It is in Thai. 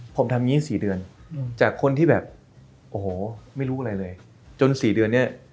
ผมทำอย่างนี้๔เดือนจากคนที่แบบโอ้โหไม่รู้อะไรเลยจน๔เดือนเนี่ย